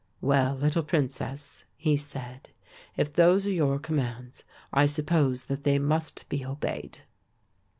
"Well, little princess," he said, "if those are your commands I suppose that they must be obeyed."